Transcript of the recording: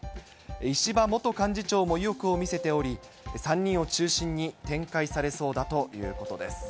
石破元幹事長も意欲を見せており、３人を中心に展開されそうだということです。